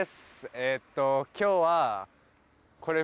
えっと今日は。